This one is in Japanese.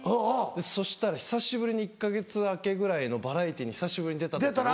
そしたら久しぶりに１か月明けぐらいのバラエティーに久しぶりに出た時に。